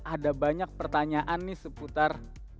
ada banyak pertanyaan nih seputar